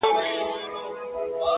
هره ورځ د نوي جوړېدو فرصت دی.!